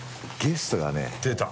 出た。